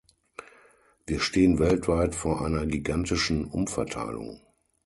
Wir stehen weltweit vor einer gigantischen Umverteilung.